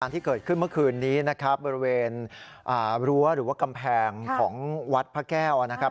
ที่เกิดขึ้นเมื่อคืนนี้นะครับบริเวณรั้วหรือว่ากำแพงของวัดพระแก้วนะครับ